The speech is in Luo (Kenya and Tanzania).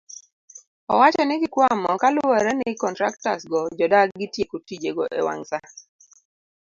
Owacho ni gikwamo kaluwore ni kontraktas go jodagi tieko tijego ewang' saa